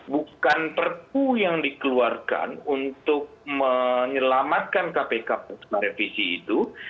bukan perpu yang dikeluarkan untuk menyelamatkan kpk pasca revisi itu